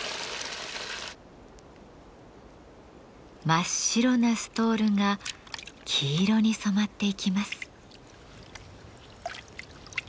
真っ白なストールが黄色に染まっていきます。